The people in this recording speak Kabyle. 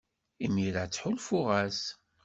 Imir-a, ttḥulfuɣ-as.